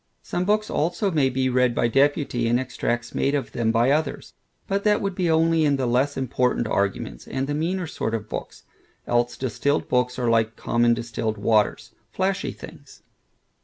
Some books also may be read by deputy, and extracts made of them by others; but that would be only in the less important arguments, and the meaner sort of books, else distilled books are like common distilled waters, flashy things.